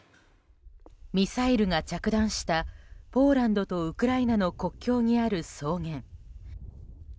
ミサイルが着弾したポーランドとウクライナの国境にある草原。